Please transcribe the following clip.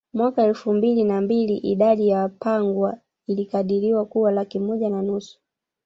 Mwaka elfu mbili na mbili idadi ya Wapangwa ilikadiriwa kuwa laki moja na nusu